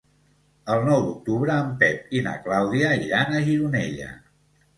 El nou d'octubre en Pep i na Clàudia iran a Gironella.